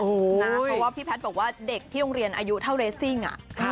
เพราะว่าพี่แพทย์บอกว่าเด็กที่โรงเรียนอายุเท่าเรสซิ่ง